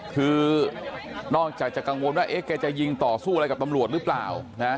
คือนอกจากจะกังวลว่าแกจะยิงต่อสู้อะไรกับตำรวจหรือเปล่านะ